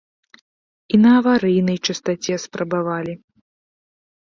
І на аварыйнай частаце спрабавалі.